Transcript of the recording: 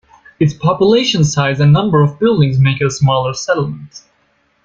Its population size and number of buildings make it a smaller settlement.